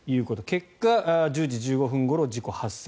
結果、１０時１５分ごろ事故発生。